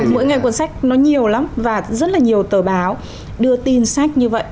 mỗi ngày cuốn sách nó nhiều lắm và rất là nhiều tờ báo đưa tin sách như vậy